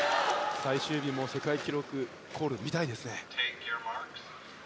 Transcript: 最終日も世界記録コール見たいですね。